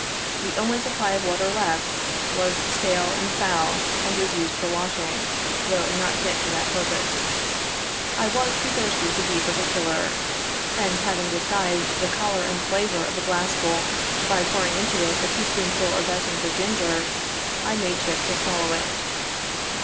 The only supply of water left, was stale and foul and was used for washing, though not fit for that purpose. I was too thirsty to be particular, and having disguised the color and flavor of a glassful by pouring into it a teaspoonful of essence of ginger, I made shift to swallow it.